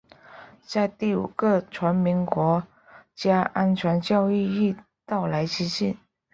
在第五个全民国家安全教育日到来之际